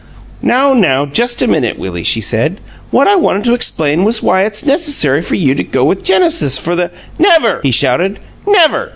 "Now, now, just a minute, Willie!" she said. "What I wanted to explain was why it's necessary for you to go with Genesis for the " "Never!" he shouted. "Never!